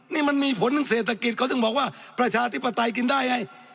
นี่มันมีผลทางเศรษฐกิจเขาถึงบอกว่าประชาธิปไตยกินได้ไง